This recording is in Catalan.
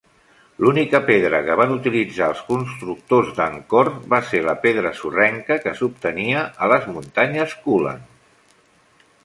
L'única pedra que van utilitzar els constructors d'Angkor va ser la pedra sorrenca, que s'obtenia a les muntanyes Kulen.